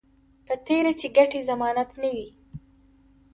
په تېره چې ګټې ضمانت نه وي